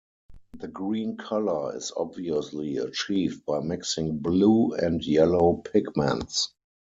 The green color is obviously achieved by mixing blue and yellow pigments.